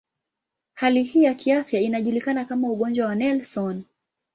Hali hii ya kiafya inajulikana kama ugonjwa wa Nelson.